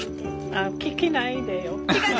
聞きないでよ。